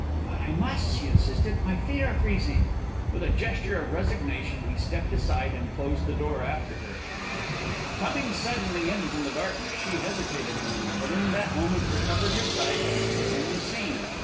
"But I must," she insisted. "My feet are freezing." With a gesture of resignation he stepped aside and closed the door after her. Coming suddenly in from the darkness, she hesitated a moment, but in that moment recovered her sight and took in the scene.